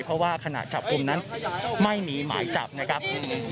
เพราะว่าขณะจับกลุ่มนั้นไม่มีหมายจับนะครับ